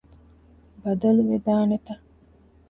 ބަދަލު ވެދާނެތަ؟